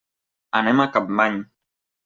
Anem a Capmany.